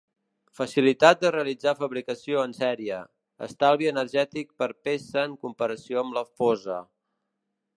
Facilitat de realitzar fabricació en serie; Estalvi energètic per peça en comparació amb la fosa.